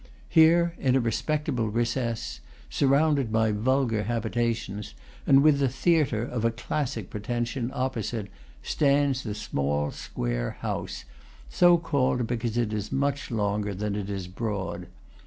Here, in a respectable recess, surrounded by vulgar habitations, and with the theatre, of a classic pretension, opposite, stands the small "square house," so called because it is much longer than it is broad.